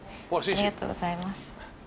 ありがとうございます